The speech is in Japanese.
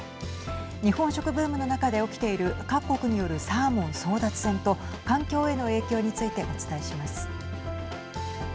日本食ブームの中で起きている各国によるサーモン争奪戦と環境への影響についてお伝えします。